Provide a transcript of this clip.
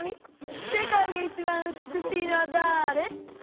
世界でいちばんうつくしいのはだれ？」。